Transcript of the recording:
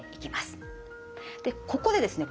でここでですね